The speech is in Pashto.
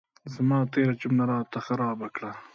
زما تېره جمله یې را ته خرابه کړه.